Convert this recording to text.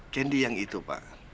candy yang itu pak